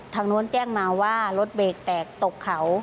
โน้นแจ้งมาว่ารถเบรกแตกตกเขา